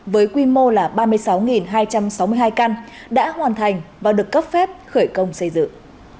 với quy mô là ba mươi sáu hai trăm sáu mươi hai căn đã hoàn thành và được cấp phép khởi công xây dựng